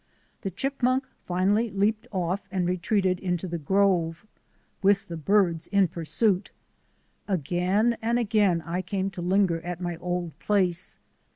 The chipmunk finally leaped off and retreated into the grove, with the birds in pur suit. Again and again I came to linger at my old place.